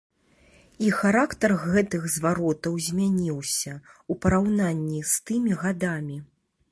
І характар гэтых зваротаў змяніўся, у параўнанні з тымі гадамі.